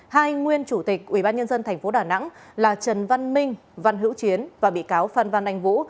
hai nguyên chủ tịch ubnd tp đà nẵng là trần văn minh văn hữu chiến và bị cáo phan văn anh vũ